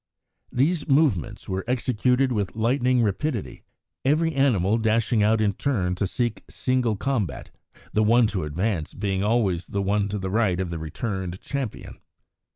These movements were executed with lightning rapidity, every animal dashing out in turn to seek single combat, the one to advance being always the one to the right of the returned champion.